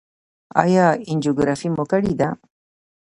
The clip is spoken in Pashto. ایا انجیوګرافي مو کړې ده؟